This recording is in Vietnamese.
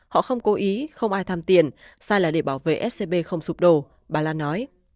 họ không cố ý không ai tham tiền sai là để bảo vệ scb không sụp đổ bà lan nói